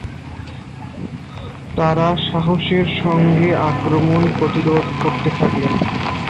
তারা সাহসের সঙ্গে আক্রমণ প্রতিরোধ করতে থাকলেন।